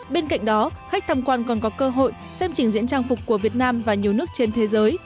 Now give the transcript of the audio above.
bên cạnh đó khách tham quan còn có cơ hội xem trình diễn trang phục của việt nam và nhiều nước trên thế giới